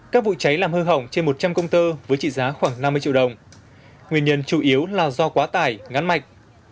các vụ cháy làm hư hỏng trên một trăm linh công tơ với trị giá khoảng năm mươi triệu đồng nguyên nhân chủ yếu là do quá tải ngắn mạch